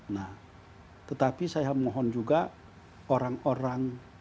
nah tetapi saya mohon juga orang orang